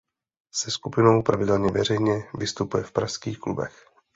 Se skupinou pravidelně veřejně vystupuje v pražských klubech.